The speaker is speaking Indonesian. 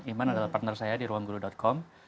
iman adalah partner saya di ruangguru com